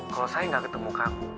kalo saya gak ketemu kamu